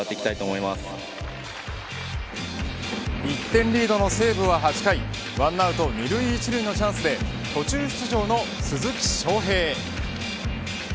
１点リードの西武は８回１アウト２塁１塁のチャンスで途中出場の鈴木将平。